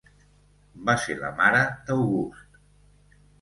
Va ser la mare d'August.